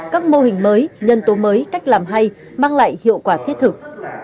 các mô hình mới nhân tố mới cách làm hay mang lại hiệu quả thiết thực